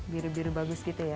biru biru bagus gitu ya